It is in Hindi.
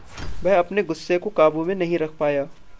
वह अपने गुस्से को काबू में नहीं रख पाया।